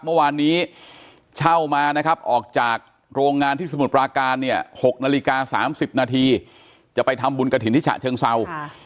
เมื่อวานนี้เช่ามานะครับออกจากโรงงานที่สมุทรปราการเนี่ย๖นาฬิกา๓๐นาทีจะไปทำบุญกระถิ่นที่ฉะเชิงเศร้า